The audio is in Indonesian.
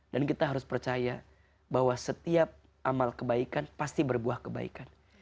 dan kita harus percaya bahwa setiap amal kebaikan pasti berbuah kebaikan